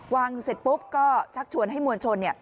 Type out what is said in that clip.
เสร็จปุ๊บก็ชักชวนให้มวลชน